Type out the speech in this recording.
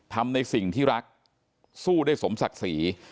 ทำในสิ่งที่รักสู้ได้สมศักดิ์ศรี